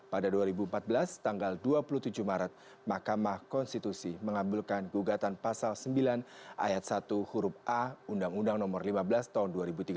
pada dua ribu empat belas tanggal dua puluh tujuh maret mahkamah konstitusi mengambilkan gugatan pasal sembilan ayat satu huruf a undang undang no lima belas tahun dua ribu tiga belas